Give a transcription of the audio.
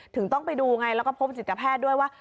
ต้องไปดูไงแล้วก็พบจิตแพทย์ด้วยว่า